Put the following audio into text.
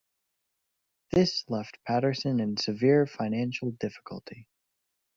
This left Patterson in severe financial difficulty.